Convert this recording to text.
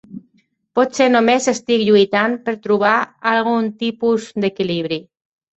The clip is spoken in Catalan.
Potser només estic lluitant per trobar algun tipus d'equilibri.